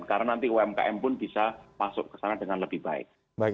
karena nanti umkm pun bisa masuk ke sana dengan lebih baik